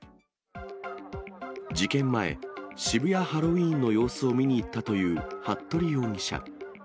事件前、渋谷ハロウィーンの様子を見に行ったという服部容疑者。